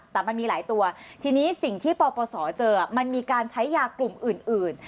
แต่มันมีหลายตัวทีนี้สิ่งที่ปปศเจอมันมีการใช้ยากลุ่มอื่น